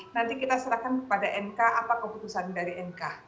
nanti kita serahkan kepada mk apa keputusan dari mk